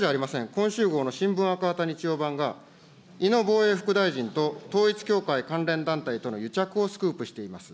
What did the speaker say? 今週号の新聞赤旗日曜版が、いの防衛副大臣と、統一教会関連団体との癒着をスクープしています。